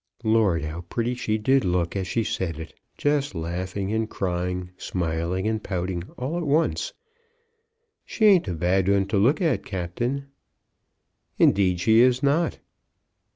Lord, how pretty she did look as she said it; just laughing and crying, smiling and pouting all at once. She ain't a bad 'un to look at, Captain?" "Indeed she is not."